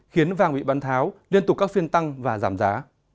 khiến vàng bị bắn tháo liên tục các phiên tăng và giảm giá